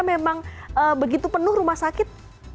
memang begitu penuh rumah sakit